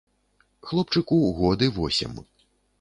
Хлопчыку год і восем.